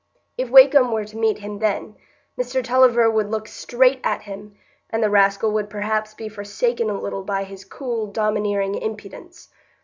If Wakem were to meet him then, Mr Tulliver would look straight at him, and the rascal would perhaps be forsaken a little by his cool, domineering impudence.